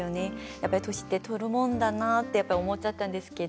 やっぱり年ってとるもんだなって思っちゃったんですけど